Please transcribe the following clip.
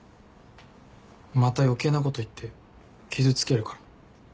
また余計なこと言って傷つけるから。